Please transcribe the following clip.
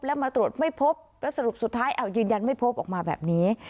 แล้วมาตรวจไม่พบแล้วสรุปสุดท้ายยืนยันไม่พบออกมาแบบนี้